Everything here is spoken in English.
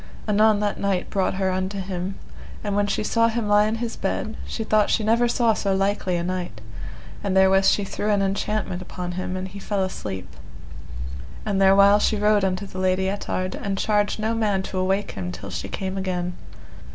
Anon that knight brought her unto him, and when she saw him lie in his bed, she thought she saw never so likely a knight; and therewith she threw an enchantment upon him, and he fell asleep. And therewhile she rode unto the Lady Ettard, and charged no man to awake him till she came again.